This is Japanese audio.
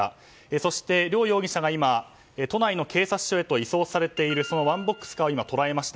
そして、両容疑者が今都内の警察署へと移送されているワンボックスカーを捉えました。